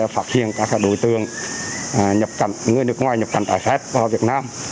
phát hiện các đối tượng người nước ngoài nhập cảnh trái phép vào việt nam